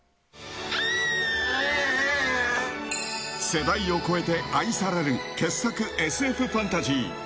世代を超えて愛される傑作ＳＦファンタジー。